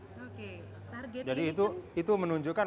jadi itu menunjukkan